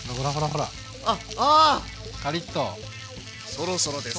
そろそろですか？